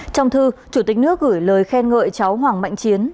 trong thư chủ tịch nước gửi lời khen ngợi cháu hoàng mạnh chiến